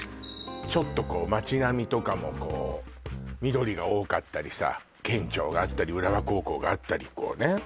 ちょっとこう街並みとかもこう緑が多かったりさ県庁があったり浦和高校があったりこうね